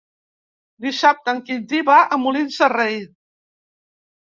Dissabte en Quintí va a Molins de Rei.